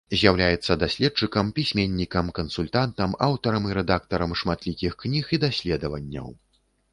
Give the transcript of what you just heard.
З'яўляецца даследчыкам, пісьменнікам, кансультантам, аўтарам і рэдактарам шматлікіх кніг і даследаванняў.